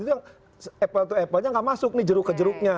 itu yang apple to apple nya nggak masuk nih jeruk ke jeruknya